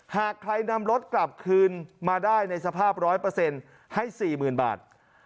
หากใครนำรถกลับคืนมาได้ในสภาพ๑๐๐ให้๔๐๐๐บาท